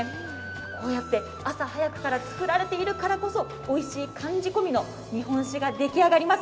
こうやって朝早くから造られているからこそおいしい寒仕込みの日本酒が出来上がります。